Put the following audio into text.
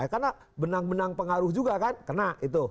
karena benang benang pengaruh juga kan kena itu